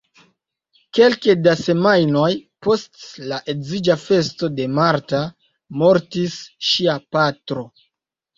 Kelke da semajnoj post la edziĝa festo de Marta mortis ŝia patro.